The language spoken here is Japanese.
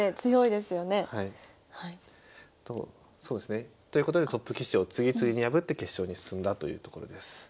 そうですねということでトップ棋士を次々に破って決勝に進んだというところです。